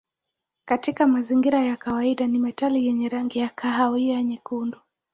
Katika mazingira ya kawaida ni metali yenye rangi ya kahawia nyekundu.